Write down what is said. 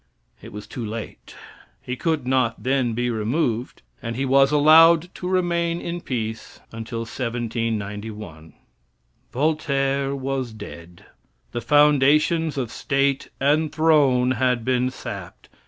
It was too late. He could not then be removed, and he was allowed to remain in peace until 1791. Voltaire was dead. The foundations of State and throne had been sapped.